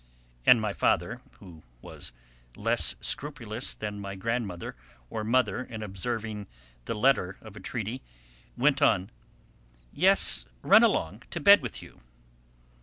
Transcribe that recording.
And my father, who was less scrupulous than my grandmother or mother in observing the letter of a treaty, went on: "Yes, run along; to bed with you."